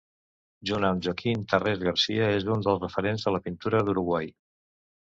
Junt amb Joaquim Torres-Garcia, és un dels referents de la pintura d'Uruguai.